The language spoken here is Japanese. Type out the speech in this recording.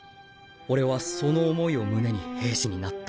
俺はその思いを胸に兵士になった